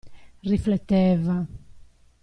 Rifletteva.